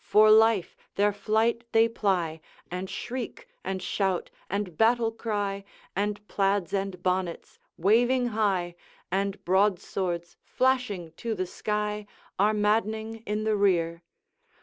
for life! their flight they ply And shriek, and shout, and battle cry, And plaids and bonnets waving high, And broadswords flashing to the sky, Are maddening in the rear.